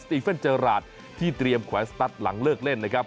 ตีเฟ่นเจอราชที่เตรียมแขวนสตัสหลังเลิกเล่นนะครับ